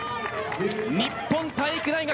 日本体育大学。